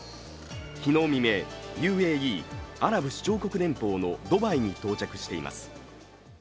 昨日未明、ＵＡＥ＝アラブ首長国連邦のドバイに到着しています。